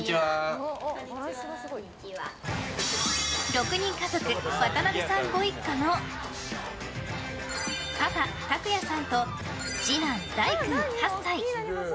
６人家族、渡邉さんご一家のパパ・拓弥さんと次男・大唯君、８歳！